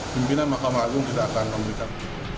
pimpinan mahkamah agung tidak akan memberikan